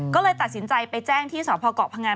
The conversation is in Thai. ก็เลยตัดสินใจไปแจ้งที่สพเกาะพงัน